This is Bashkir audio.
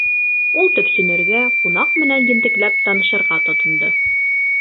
Ул төпсөнөргә, ҡунаҡ менән ентекләп танышырға тотондо.